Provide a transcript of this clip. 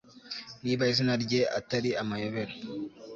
Niba izina rye atari amayobera